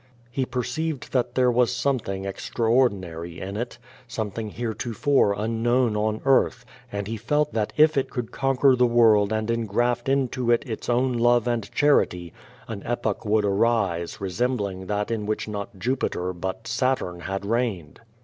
He perceived that there was something extraordinar}' in it, something heretofore unknown on earth, and he felt that if 214 QUO VADTS. it could conquer the world and engraft into it its own love and charity, an epoch would arise resembling that in which not Jupiter but Saturn had reigned.